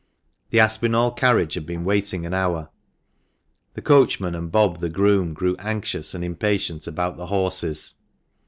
The Aspinall carriage had been waiting an hour. The coachman and Bob the groom grew anxious and impatient about the horses.